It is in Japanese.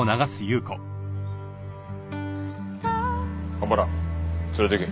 蒲原連れて行け。